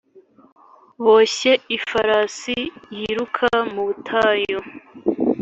boshye ifarasi yiruka mu butayu?